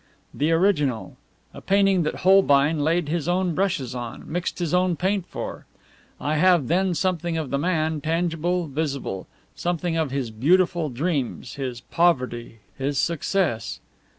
The original! A painting that Holbein laid his own brushes on, mixed his own paint for! I have then something of the man, tangible, visible; something of his beautiful dreams, his poverty, his success.